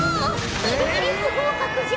ギリギリ不合格じゃ。